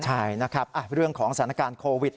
ใช่เรื่องของสถานการณ์โควิด